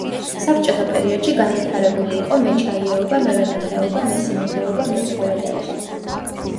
საბჭოთა პერიოდში განვითარებული იყო მეჩაიეობა, მევენახეობა, მესიმინდეობა, მეცხოველეობა.